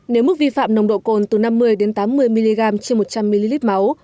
nếu mức vi phạm nồng độ cồn từ năm mươi tám mươi mg trên một trăm linh ml máu